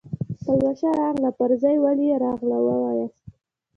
پلوشه راغله پر ځای ولې راغلل وایاست.